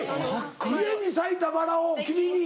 「家に咲いたバラを君に」。